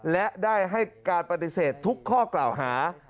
และได้ให้การปฏิเสธทุกข้อกล่าวหา